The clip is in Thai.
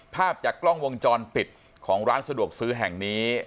ภาพจากกล้องวงจรปิดของร้านสะดวกซื้อแห่งนี้